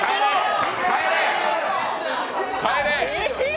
帰れ！